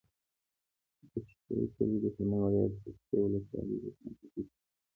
د دشټي کلی د هلمند ولایت، دشټي ولسوالي په شمال ختیځ کې پروت دی.